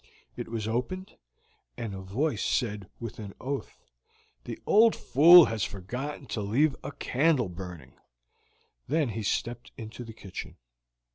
It was opened, and a voice said with an oath, "The old fool has forgotten to leave a candle burning;" then he stepped into the kitchen.